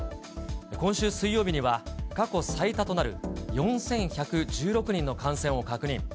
今週水曜日には、過去最多となる４１１６人の感染を確認。